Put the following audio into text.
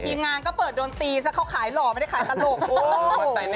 ทีมงานก็เปิดโดนตีซะเขาขายหล่อไม่ได้ขายตลก